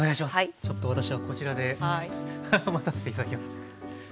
ちょっと私はこちらで待たせて頂きます。